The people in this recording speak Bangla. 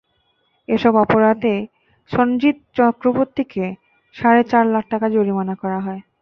এসব অপরাধে সনজিৎ চক্রবর্তীকে সাড়ে চার লাখ টাকা জরিমানা করা হয়।